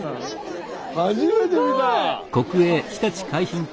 初めて見た！